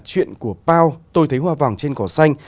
chuyện của pao tôi thấy hoa vàng trên cỏ xanh